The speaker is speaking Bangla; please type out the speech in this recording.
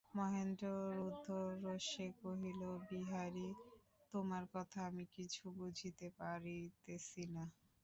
মহেন্দ্র রুদ্ধরোষে কহিল, বিহারী, তোমার কথা আমি কিছুই বুঝিতে পারিতেছি না।